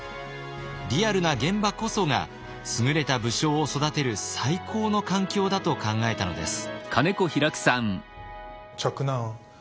リアルな現場こそが優れた武将を育てる最高の環境だと考えたのです。